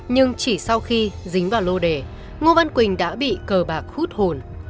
nhưng chỉ sau khi dính vào lô đề ngô văn quỳnh đã bị cờ bạc hút hồn